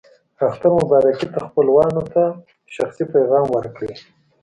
اختر مبارکي ته خپلوانو ته شخصي پیغام ورکړئ.